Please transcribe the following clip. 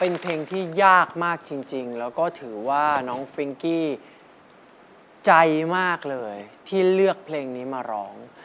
เป็นเพลงที่ยากมากจริงแล้วก็ถือว่าน้องฟิงกี้ใจมากเลยที่เลือกเพลงนี้มาร้อง